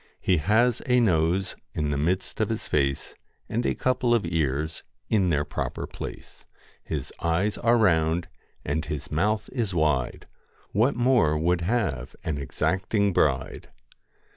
He has a nose in the midst of his face, And a couple of ears in their proper place. His eyes are round and his mouth is wide, What more would have an exacting bride